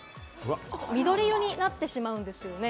緑色になってしまうんですよね。